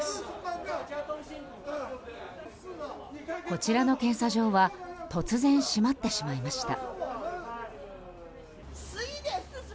こちらの検査場は突然、閉まってしまいました。